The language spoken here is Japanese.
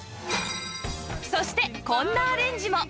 そしてこんなアレンジも